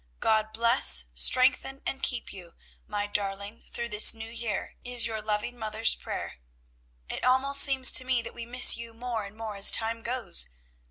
God bless, strengthen, and keep you, my darling, through this new year, is your loving mother's prayer. "It almost seems to me that we miss you more and more as time goes.